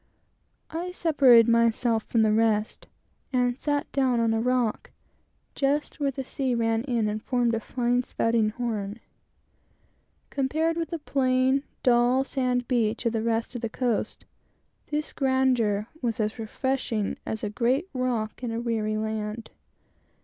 I separated myself from the rest and sat down on a rock, just where the sea ran in and formed a fine spouting horn. Compared with the plain, dull sand beach of the rest of the coast, this grandeur was as refreshing as a great rock in a weary land.